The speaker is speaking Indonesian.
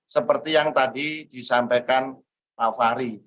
seperti yang tadi disampaikan pak fahri